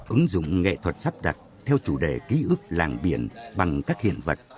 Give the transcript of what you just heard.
ứng dụng nghệ thuật sắp đặt theo chủ đề ký ức làng biển bằng các hiện vật